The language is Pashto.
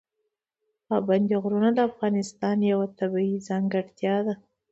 پابندی غرونه د افغانستان یوه طبیعي ځانګړتیا ده.